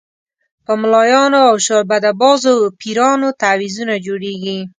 په ملایانو او شعبده بازو پیرانو تعویضونه جوړېږي.